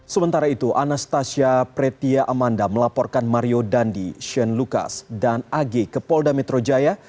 sementara itu anastasia pretia amanda melaporkan mario dandi shane lucas dan ag ke polda metro jaya